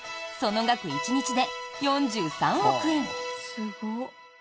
その額、１日で４３億円。